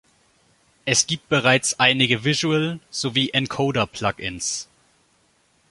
Es gibt bereits einige Visual- sowie Encoder-Plug-ins.